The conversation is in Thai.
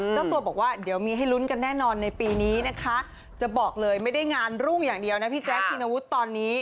เจ้าตัวบอกว่าเดี๋ยวมีให้ลุ้นกันแน่นอนในปีนี้นะคะจะบอกเลยไม่ได้งานรุ่งอย่างเดียวนะพี่แจ๊คชินวุฒิตอนนี้